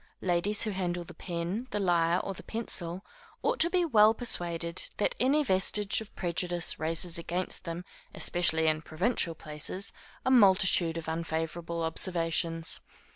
Ladies who handle the pen, the lyre, or the pencil, ought to be well persuaded that any vestige of prejudice raises against them, especially in provincial places, a multitude of unfavorable observations.